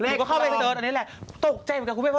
ตกใจเหมือนกับคุณเพศ